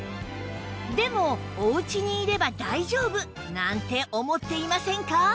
でもおうちにいれば大丈夫なんて思っていませんか？